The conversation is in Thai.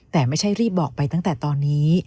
แต่ไม่ใช่รีบบอกไปตั้งแต่ตอนนี้